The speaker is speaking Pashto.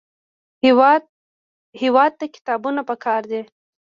هېواد ته کتابونه پکار دي